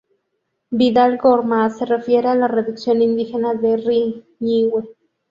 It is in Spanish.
Vidal Gormaz se refiere a la reducción indígena de Riñihue.